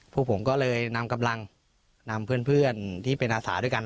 พวกผมก็เลยนำกำลังนำเพื่อนที่เป็นอาสาด้วยกัน